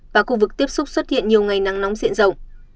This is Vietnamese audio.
và khu vực tiếp xúc xuất hiện nhiều ngày nắng nóng diện rộng